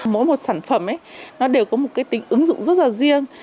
mỗi một sản phẩm nó đều có một cái tính ứng dụng rất là riêng